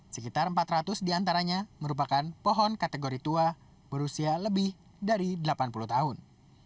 sekitar empat ratus diantaranya merupakan pohon kategori tua berusia lebih dari delapan puluh tahun